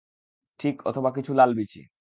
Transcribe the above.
ঠিক - অথবা কিছু লাল বিচি।